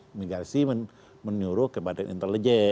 imigrasi menyuruh kepada intelijen